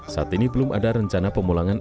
saat ini belum ada rencana pemulangan